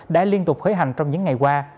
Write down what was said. đã liên tục khởi hành trong những ngày qua